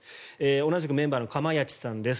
同じくメンバーの釜萢さんです。